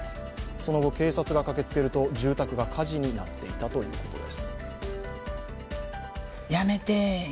その後、警察が駆けつけると住宅が火事になっていたということです。